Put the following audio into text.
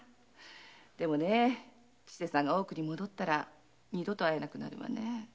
でもねぇ千勢さんが大奥に戻ったら二度と会えなくなるんだねぇ。